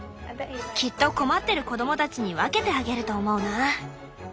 きっと困ってる子供たちに分けてあげると思うな。